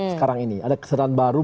sekarang ini ada keseluruhan baru